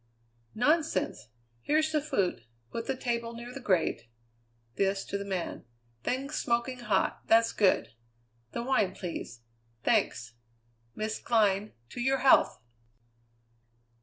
"Nonsense! Here's the food. Put the table near the grate" this to the man "things smoking hot; that's good. The wine, please. Thanks! Miss Glynn, to your health!"